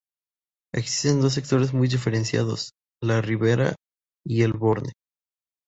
Existen dos sectores muy diferenciados: "la Ribera" y el Borne.